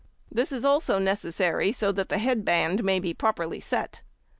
This is also necessary so that the head band may be properly set.